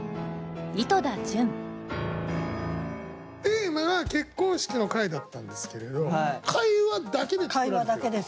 テーマが「結婚式」の回だったんですけれど会話だけで作られている。